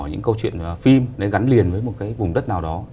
những câu chuyện phim gắn liền với một cái vùng đất nào đó